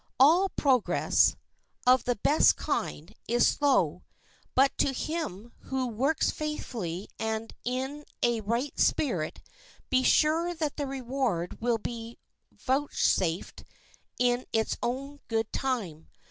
All progress, of the best kind, is slow; but to him who works faithfully and in a right spirit, be sure that the reward will be vouchsafed in its own good time.